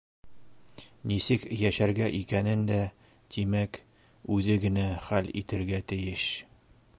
Нисек йәшәргә икәнен дә, тимәк, үҙе генә хәл итергә тейеш.